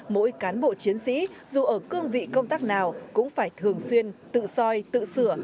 mỗi cán bộ chiến sĩ dù ở cương vị công tác nào cũng phải thường xuyên tự soi tự sửa